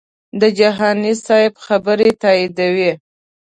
د جهاني صاحب خبرې تاییدوي.